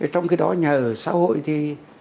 trong khi đó nhà ở xã hội thì